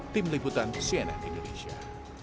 tim liputan cnn indonesia